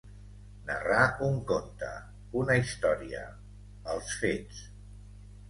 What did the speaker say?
Narrar un conte, una història, els fets.